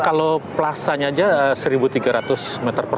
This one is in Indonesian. kalau plasanya saja seribu tiga ratus m dua